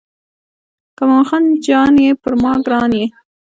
که مومن جان یې پر ما ګران یې.